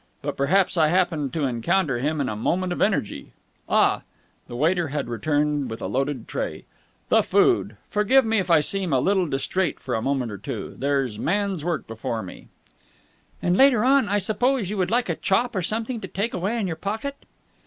But perhaps I happened to encounter him in a moment of energy. Ah!" The waiter had returned with a loaded tray. "The food! Forgive me if I seem a little distrait for a moment or two. There is man's work before me!" "And later on, I suppose, you would like a chop or something to take away in your pocket?"